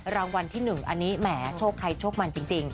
รางวัลที่๑อันนี้แหมโชคใครโชคมันจริง